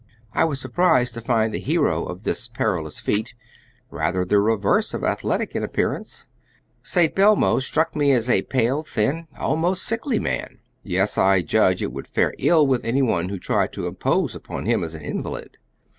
I was surprised to find the hero of this perilous feat rather the reverse of athletic in appearance. St. Belmo struck me as a pale, thin, almost sickly man. Yet I judge it would fare ill with any one who tried to impose upon him as an invalid.